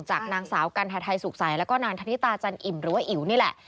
จากนางสาวกัณฑไทยสุขใสแล้วก็นางธนิตาจันอิ่มหรือว่าอิ๋วนี่แหละ